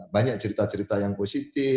banyak cerita cerita yang positif